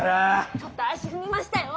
ちょっと足踏みましたよォ。